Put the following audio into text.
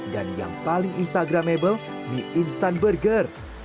dan yang paling instagramable mie instan burger